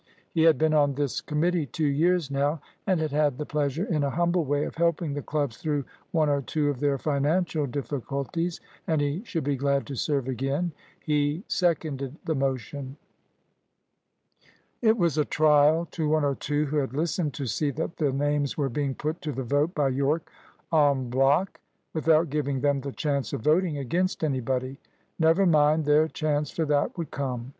He had been on this committee two years now, and had had the pleasure in a humble way of helping the clubs through one or two of their financial difficulties, and he should be glad to serve again. He seconded the motion. It was a trial to one or two who had listened to see that the names were being put to the vote by Yorke en bloc, without giving them the chance of voting against anybody. Never mind, their chance for that would come!